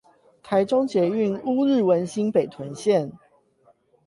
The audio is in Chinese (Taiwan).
台中捷運烏日文心北屯線